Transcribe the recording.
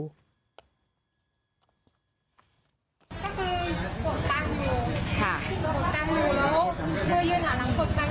ก็คือกดตังค์หนูค่ะกดตังค์หนูแล้วเมื่อยืนหลังกดตังค์อีกครั้งทีนี้ค่ะ